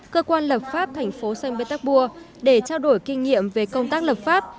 cơ quan lập pháp thành phố sơn bến tắc bua để trao đổi kinh nghiệm về công tác lập pháp